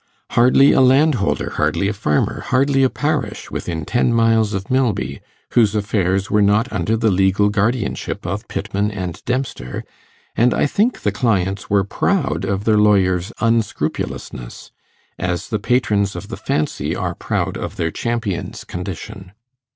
Hardly a landholder, hardly a farmer, hardly a parish within ten miles of Milby, whose affairs were not under the legal guardianship of Pittman and Dempster; and I think the clients were proud of their lawyers' unscrupulousness, as the patrons of the fancy's are proud of their champion's 'condition'.